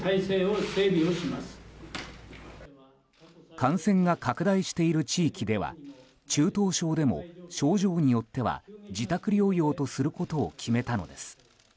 感染が拡大している地域では中等症でも症状によっては自宅療養とすることを決めたのです。